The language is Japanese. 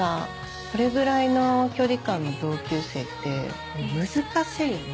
これぐらいの距離感の同級生って難しいよね。